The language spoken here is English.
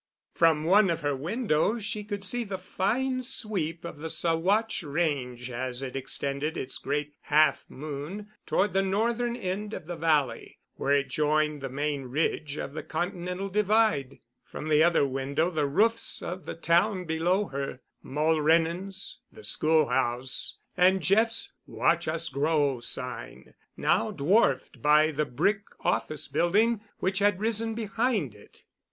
From one of her windows she could see the fine sweep of the Saguache range as it extended its great half moon toward the northern end of the valley, where it joined the main ridge of the Continental Divide; from the other window the roofs of the town below her, Mulrennan's, the schoolhouse, and Jeff's "Watch Us Grow" sign, now dwarfed by the brick office building which had risen behind it.